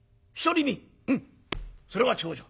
うんそれは重畳。